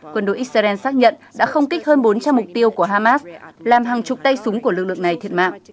quân đội israel xác nhận đã không kích hơn bốn trăm linh mục tiêu của hamas làm hàng chục tay súng của lực lượng này thiệt mạng